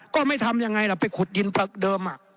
ก็ไม่ทำยังไงล่ะไปขุดดินเดิม